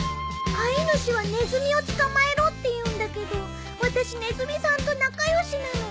飼い主はネズミを捕まえろって言うんだけど私ネズミさんと仲良しなの。